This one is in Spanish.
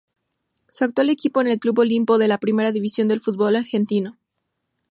Su actual equipo es el Club Olimpo de la Primera División del Fútbol Argentino.